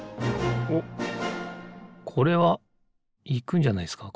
おっこれはいくんじゃないですか